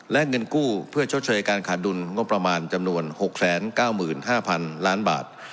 และเงินกู้เพื่อชดเชยการขาดดุลงบประมาณจำนวน๖๙๕๐๐๐ล้านบาท